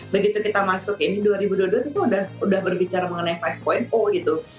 begitu kita masuk ini dua ribu dua puluh dua itu udah berbicara mengenai lima gitu